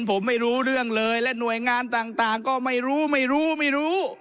ผมไม่รู้เรื่องเลยและหน่วยงานต่างก็ไม่รู้ไม่รู้ไม่รู้